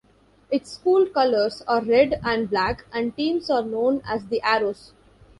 Its school colors are red and black, and teams are known as the Arrows.